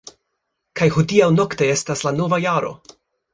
- Kaj hodiaŭ-nokte estas la nova jaro!